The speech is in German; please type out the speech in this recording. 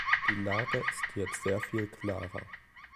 Die Lage ist jetzt sehr viel klarer.